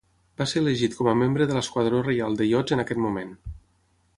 Va ser elegit com a membre de l'Esquadró Reial de iots en aquest moment.